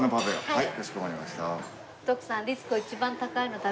はい。